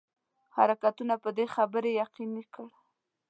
حرکتونو په دې خبري یقیني کړ.